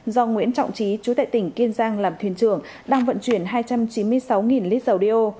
do nguyễn trọng trí chú tại tỉnh kiên giang làm thuyền trưởng đang vận chuyển hai trăm chín mươi sáu lít dầu đeo